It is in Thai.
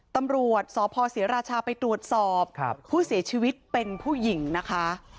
ตำรวจสพศรีราชาไปตรวจสอบผู้เสียชีวิตเป็นผู้หญิงนะคะ